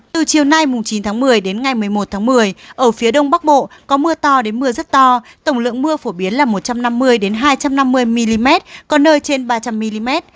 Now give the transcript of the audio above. từ chiều nay chín tháng một mươi đến ngày một mươi một tháng một mươi ở phía đông bắc bộ có mưa to đến mưa rất to tổng lượng mưa phổ biến là một trăm năm mươi hai trăm năm mươi mm có nơi trên ba trăm linh mm